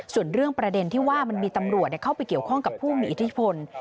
ส่วนเรื่องประเด็นที่ว่ามันมีตำรวจเข้าไปเกี่ยวข้องกับผู้มีอิทธิพล